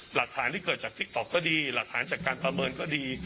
หลักฐานที่เกิดจากติ๊กต๊อกก็ดีหลักฐานจากการประเมินก็ดี